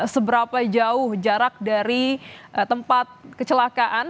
seberapa jauh jarak dari tempat kecelakaan